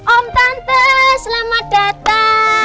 om tante selamat datang